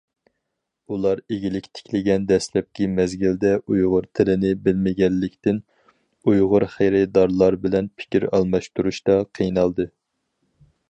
ئۇلار ئىگىلىك تىكلىگەن دەسلەپكى مەزگىلدە ئۇيغۇر تىلىنى بىلمىگەنلىكتىن، ئۇيغۇر خېرىدارلار بىلەن پىكىر ئالماشتۇرۇشتا قىينالدى.